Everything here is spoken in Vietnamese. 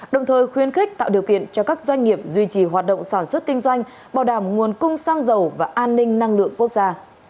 đồng thời khuyến khích tạo điều kiện cho các doanh nghiệp duy trì hoạt động sản xuất kinh doanh bảo đảm nguồn cung xăng dầu và an ninh năng lượng quốc gia